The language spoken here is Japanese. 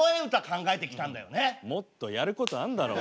もっとやることあんだろ。